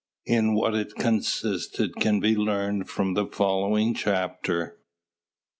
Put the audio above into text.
In what it consisted can be learned from the following chapter.